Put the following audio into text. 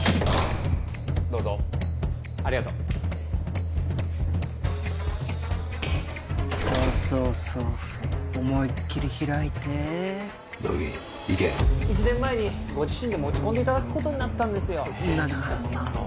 どうぞありがとうそうそうそうそう思いっきり開いて乃木行け１年前にご自身で持ち込んでいただくことになったんですよそうなの？